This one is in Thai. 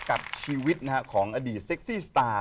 กับชีวิตของอดีตเซ็กซี่สตาร์